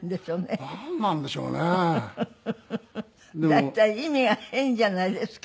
大体意味が変じゃないですか。